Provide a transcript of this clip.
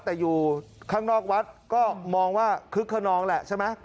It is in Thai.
แต่อยู่ข้างนอกวัดก็มองว่าคึกขนองแหละใช่ไหม